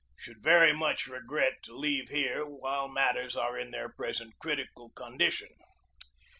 Should very much regret to leave here while matters are in their present critical condition."